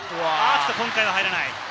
今回は入らない。